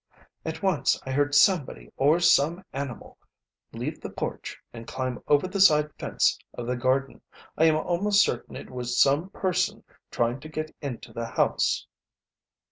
At once I heard somebody or some animal leave the porch and climb over the side fence of the garden. I am almost certain it was some person trying to get into the house."